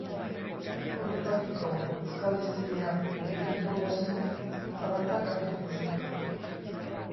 Orotariko euskal hiztegia begiratuko bazenu, zalantzak argituko zenituzke.